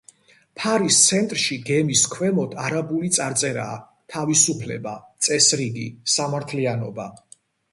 ფარის ცენტრში, გემის ქვემოთ არაბული წარწერაა „თავისუფლება, წესრიგი, სამართლიანობა“.